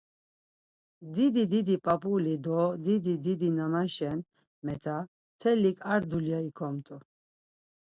Didi didi p̌ap̌uli do didi didi nanaşen met̆a mtelik ar dulya ikomt̆u.